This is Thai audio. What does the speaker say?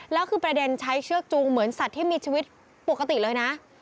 แล้วคือประเด็นใช้เชือกจูงเหมือนสัตว์ที่มีชีวิตปกติเลยนะ